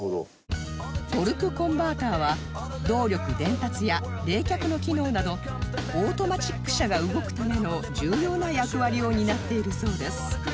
トルクコンバータは動力伝達や冷却の機能などオートマチック車が動くための重要な役割を担っているそうです